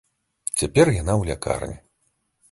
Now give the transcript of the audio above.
Цяпер яна ў лякарні.